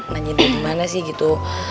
nanyain dia gimana sih gitu